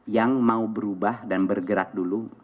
yang mau berubah dan bergerak dulu